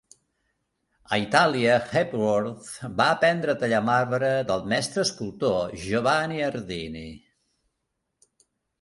A Itàlia, Hepworth va aprendre a tallar marbre del mestre escultor, Giovanni Ardini.